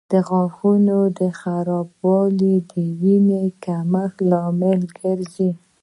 د غاښونو خرابوالی د وینې کمښت لامل ګرځي.